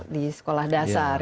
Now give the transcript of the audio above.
di sekolah dasar